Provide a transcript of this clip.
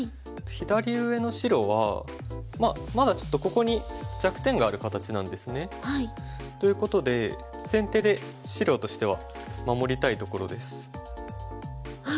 左上の白はまあまだちょっとここに弱点がある形なんですね。ということで先手で白としては守りたいところです。